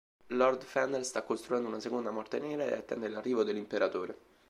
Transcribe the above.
Lord Fener sta costruendo una seconda Morte Nera e attende l'arrivo dell'Imperatore.